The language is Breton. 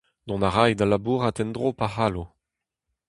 Dont a ray da labourat en-dro pa c'hallo.